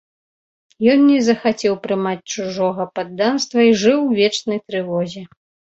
Ён не захацеў прымаць чужога падданства і жыў у вечнай трывозе.